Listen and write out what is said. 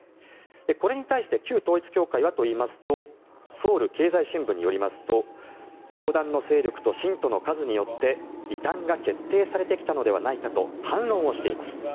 これに対して旧統一教会はといいますとソウル経済新聞によりますと教団の勢力と信徒の数によって異端が決定されてきたのではないかと反論をしています。